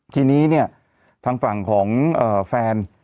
ทีนี้เนี่ยทางฝั่งของแฟน